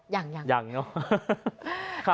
ยังยังเนอะ